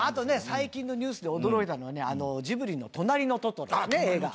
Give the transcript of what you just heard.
最近のニュースで驚いたのはねジブリの『となりのトトロ』映画。